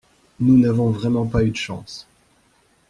Nous n’avons vraiment pas eu de chance.